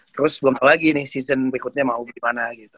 terus belum tahu lagi nih season berikutnya mau gimana gitu